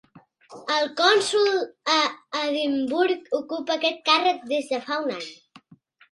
El cònsol a Edimburg ocupa aquest càrrec des de fa un any